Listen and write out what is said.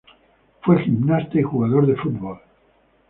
Fue gimnasta y jugador de fútbol.